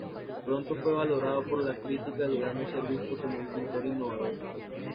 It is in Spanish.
Pronto fue valorado por la crítica llegando a ser visto como un pintor innovador.